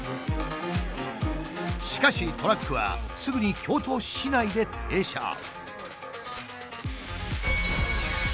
しかしトラックはすぐに京都市内で停車。